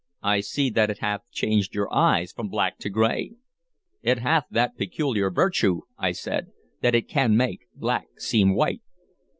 "I see that it hath changed your eyes from black to gray." "It hath that peculiar virtue," I said, "that it can make black seem white."